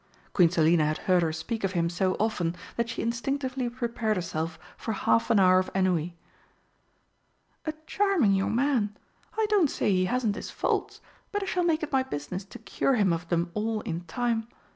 Queen Selina had heard her speak of him so often that she instinctively prepared herself for half an hour of ennui. "A charming young man. I don't say he hasn't his faults, but I shall make it my business to cure him of them all in time.